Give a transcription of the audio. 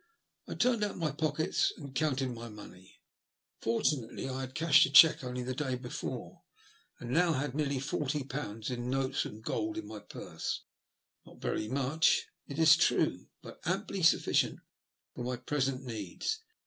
I turned out my pockets and counted my money. Fortunately, I had cashed a cheque only the day before, and now had nearly forty pounds in notes and gold in my purse; not very much, it is true, but amply sufficient for my present needs.